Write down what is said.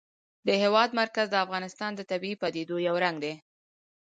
د هېواد مرکز د افغانستان د طبیعي پدیدو یو رنګ دی.